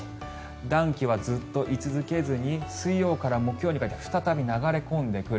暖気はずっとい続けずに水曜から木曜にかけて再び流れ込んでくる。